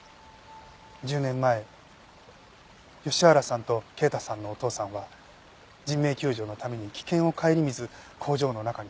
１０年前吉原さんと慶太さんのお父さんは人命救助のために危険を顧みず工場の中に飛び込んでいきました。